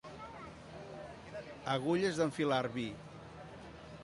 Agulles d'enfilar vi.